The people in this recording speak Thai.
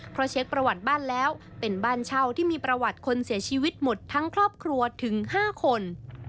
เพราะเช็คประวัติบ้านแล้วเป็นบ้านเช่าที่มีประวัติคนเสียชีวิตหมดทั้งครอบครัวถึง๕คน